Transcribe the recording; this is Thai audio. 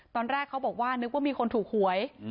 ตอนแรกเขาบอกว่านึกว่ามีคนถูกหวย